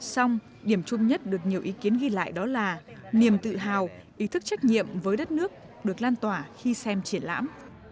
xong điểm chung nhất được nhiều ý kiến ghi lại đó là niềm tự hào ý thức trách nhiệm với đất nước được lan tỏa khi xem triển lãm